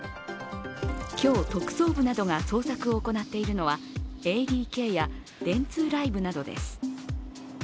今日、特捜部などが捜索を行っているのはＡＤＫや電通ライブなどです。